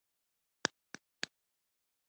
تاسو ټول ددې ورځي شاهدان اوسئ